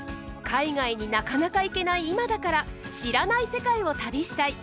海外になかなか行けない今だから知らない世界を旅したい。